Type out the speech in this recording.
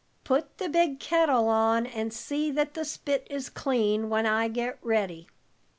Put the big kettle on, and see that the spit is clean, while I get ready."